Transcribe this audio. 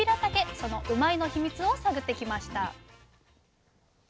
そのうまいッ！の秘密を探ってきました。